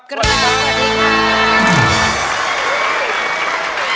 สวัสดีครับ